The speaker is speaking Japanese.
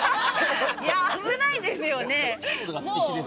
いや、危ないですよね。